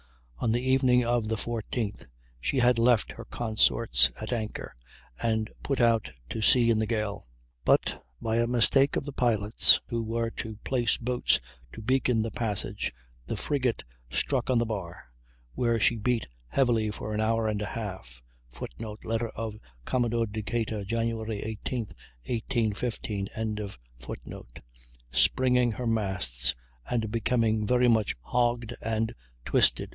On the evening of the 14th she had left her consorts at anchor, and put out to sea in the gale. But by a mistake of the pilots who were to place boats to beacon the passage the frigate struck on the bar, where she beat heavily for an hour and a half, [Footnote: Letter of Commodore Decatur, Jan. 18, 1815.] springing her masts and becoming very much hogged and twisted.